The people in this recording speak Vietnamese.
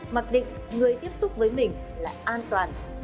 mặc định người tiếp xúc với mình là an toàn